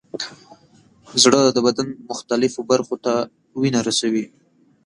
زړه د بدن مختلفو برخو ته وینه رسوي.